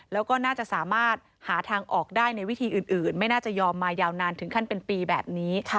แล้วก็น่าจะสามารถหาทางออกได้ในวิธีอื่นไม่น่าจะยอมมายาวนานถึงขั้นเป็นปีแบบนี้